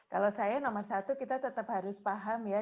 kalau saya nomor satu kita tetap harus paham ya